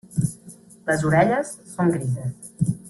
Les orelles són grises.